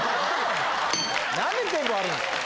何で全部割るんですか。